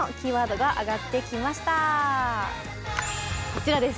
こちらです。